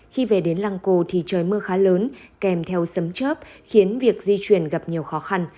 khi về đến lăng cô thì trời mưa khá lớn kèm theo sấm chớp khiến việc di chuyển gặp nhiều khó khăn